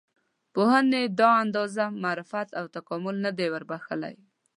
پوهنې دا اندازه معرفت او تکامل نه دی وربښلی.